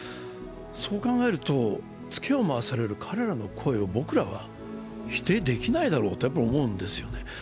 そう考えるとツケを回される彼らの声を僕らは否定できないだろうとやっぱり思うんですよね。